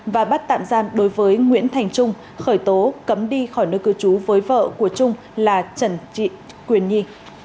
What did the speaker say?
và bắt tạm giam đối với nguyễn thành trung khởi tố cấm đi khỏi nơi cư trú với vợ của trung là trần quyền nhi